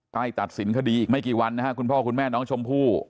ตัดสินคดีอีกไม่กี่วันนะครับคุณพ่อคุณแม่น้องชมพู่